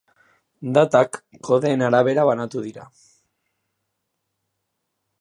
Datak kodeen arabera banatu dira.